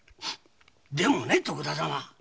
でもね徳田様。